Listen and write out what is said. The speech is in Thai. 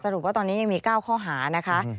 รุปว่าตอนนี้ยังมี๙ข้อหานะคะ